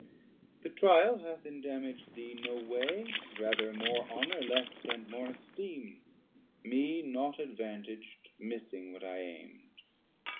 The tryal hath indamag'd thee no way, Rather more honour left and more esteem; Me naught advantag'd, missing what I aim'd.